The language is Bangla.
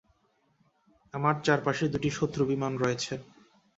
আমার চারপাশে দুটি শত্রু বিমান রয়েছে।